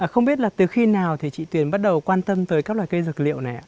không biết là từ khi nào thì chị tuyền bắt đầu quan tâm tới các loài cây dược liệu này ạ